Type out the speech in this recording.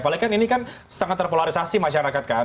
apalagi kan ini kan sangat terpolarisasi masyarakat kan